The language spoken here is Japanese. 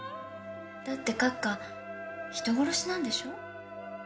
だって閣下人殺しなんでしょ？